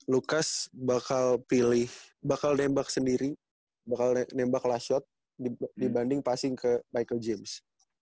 lukas bakal pilih bakal nembak sendiri bakal nembak last shot dibanding passing ke michael james